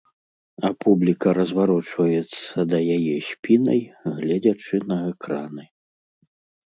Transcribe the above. А публіка разварочваецца да яе спінай, гледзячы на экраны.